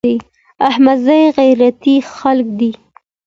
احمدزي غيرتي خلک دي.